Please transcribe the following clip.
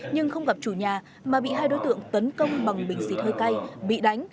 nhưng không gặp chủ nhà mà bị hai đối tượng tấn công bằng bình xịt hơi cay bị đánh